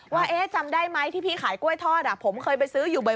ว่าจำได้ไหมที่พี่ขายกล้วยทอดผมเคยไปซื้ออยู่บ่อย